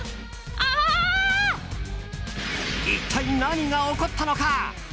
一体何が起こったのか。